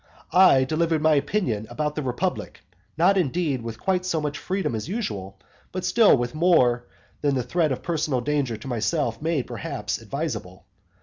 I delivered my opinion about the republic, not indeed with quite so much freedom as usual, but still with more than the threats of personal danger to myself made perhaps advisable.